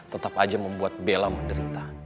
tetap aja membuat bella menderita